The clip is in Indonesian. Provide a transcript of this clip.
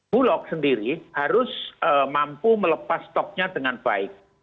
bulog sendiri harus mampu melepas stoknya dengan baik